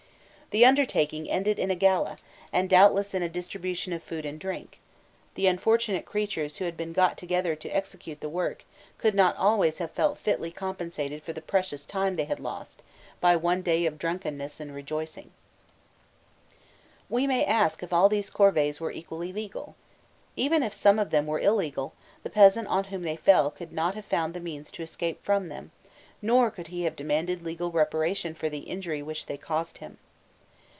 The undertaking ended in a gala, and doubtless in a distribution of food and drink: the unfortunate creatures who had been got together to execute the work could not always have felt fitly compensated for the precious time they had lost, by one day of drunkenness and rejoicing. [Illustration: 136.jpg COLORED SCULPTURES IN THE PALACE] We may ask if all these corvées were equally legal? Even if some of them were illegal, the peasant on whom they fell could not have found the means to escape from them, nor could he have demanded legal reparation for the injury which they caused him.